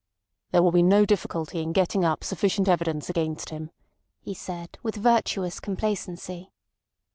"There will be no difficulty in getting up sufficient evidence against him," he said, with virtuous complacency.